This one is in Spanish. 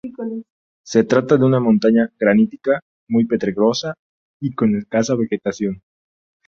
Se trata de una montaña granítica, muy pedregosa y con escasa vegetación.